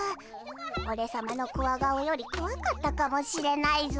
オレさまのコワ顔よりこわかったかもしれないぞ。